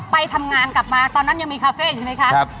ไปทำงานกลับมาตอนนั้นยังมีคาเฟ่อยู่ไหมคะ